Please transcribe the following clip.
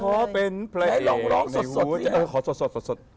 ขอเป็นพระเอกในหัวใจเธอ